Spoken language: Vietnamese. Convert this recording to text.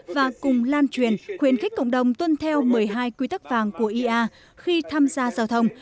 và cùng lan truyền khuyến khích cộng đồng tuân theo một mươi hai quy tắc vàng của ia khi tham gia giao thông